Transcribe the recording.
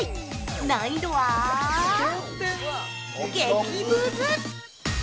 難易度は激ムズ！